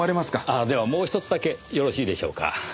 あっではもうひとつだけよろしいでしょうか？